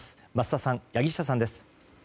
桝田さん、柳下さんです。